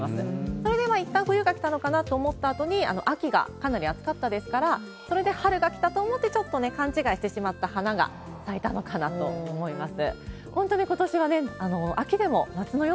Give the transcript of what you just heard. それでは、いったん冬が来たのかなと思ったあとに、秋がかなり暑かったですから、それで春が来たと思って、ちょっとね、勘違いしてしまった花が咲いたのかなと思います。